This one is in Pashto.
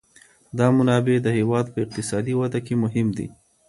دا منابع د هېواد په اقتصادي وده کي مهم دي.